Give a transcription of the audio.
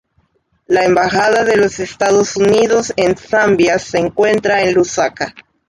La Embajada de los Estados Unidos en Zambia se encuentra en Lusaka.